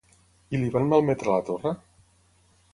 I li van malmetre la torra?